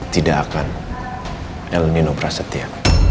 tidak akan el nino prasetya